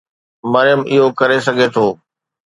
مريم اهو ڪري سگهي ٿو.